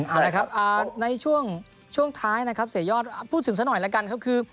อะไรครับในช่วงช่วงท้ายนะครับเสยอดพูดถึงสักหน่อยแล้วกันครับ